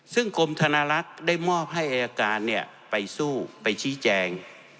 ซึ่งกรมธนารักษ์ได้มอบให้อายการไปสู้ไปชี้แจง